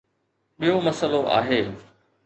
ٻيو مسئلو آهي.